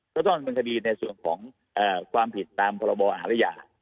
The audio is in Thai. ก็ต้องเป็นคดีในส่วนของความผิดตามประบอบอารยา